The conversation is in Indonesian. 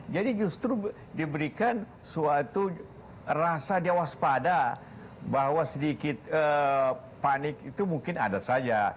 jadi justru diberikan suatu rasa dia waspada bahwa sedikit panik itu mungkin ada saja